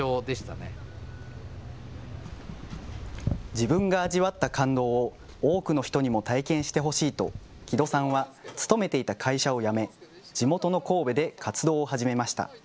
自分が味わった感動を多くの人にも体験してほしいと木戸さんは、勤めていた会社を辞め、地元の神戸で活動を始めました。